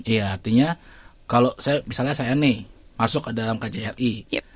iya artinya kalau misalnya saya nih masuk ke dalam kjri